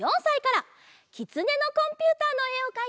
「きつねのコンピューター」のえをかいてくれました。